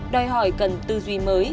đòi hỏi cần tư duy mới